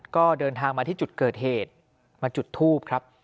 ก็เดินทางมาที่จุดเกิดเหตุมาจุดทูปครับ